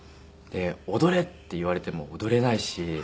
「踊れ！」って言われても踊れないし。